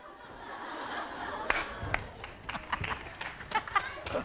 ハハハッ。